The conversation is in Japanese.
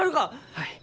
はい。